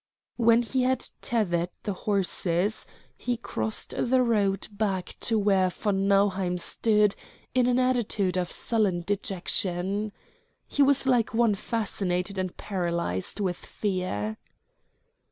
When he had tethered the horses, he crossed the road back to where von Nauheim stood in an attitude of sullen dejection. He was like one fascinated and paralyzed with fear.